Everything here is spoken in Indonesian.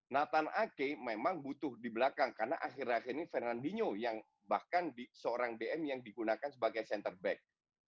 nathan ake memang butuh di belakang karena akhir akhir ini fernandinho yang bahkan seorang dm yang digunakan sebagai center back